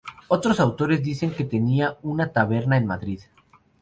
Otros autores dicen que tenía una taberna en Madrid.